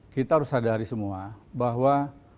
kita harus sadari semua bahwa